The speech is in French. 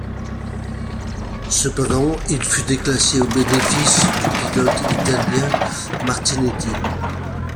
Cependant, il fut déclassé au bénéfice du pilote italien Martinetti.